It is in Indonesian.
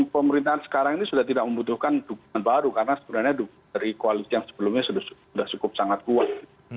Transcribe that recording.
pemerintahan sekarang ini sudah tidak membutuhkan dukungan baru karena sebenarnya dari koalisi yang sebelumnya sudah cukup sangat kuat